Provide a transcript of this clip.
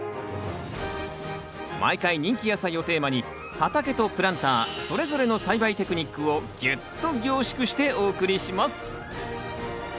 毎回人気野菜をテーマに畑とプランターそれぞれの栽培テクニックをギュッと凝縮してお送りします。